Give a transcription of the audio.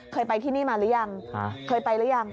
เคยไปที่นี่มาหรือยังเคยไปหรือยัง